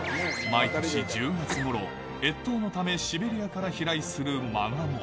毎年１０月ごろ、越冬のためシベリアから飛来する真鴨。